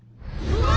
うわ！